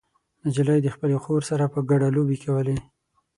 نجلۍ د خپلې خور سره په ګډه لوبې کولې.